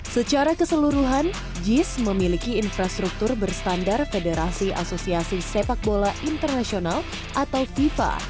secara keseluruhan jis memiliki infrastruktur berstandar federasi asosiasi sepak bola internasional atau fifa